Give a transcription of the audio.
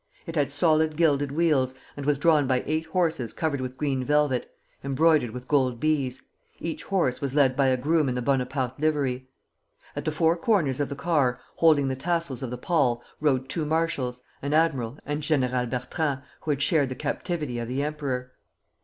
It had solid gilded wheels, and was drawn by eight horses covered with green velvet, embroidered with gold bees; each horse was led by a groom in the Bonaparte livery. At the four corners of the car, holding the tassels of the pall, rode two marshals, an admiral, and General Bertrand, who had shared the captivity of the Emperor.